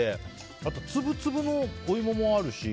あと、粒々のお芋もあるし。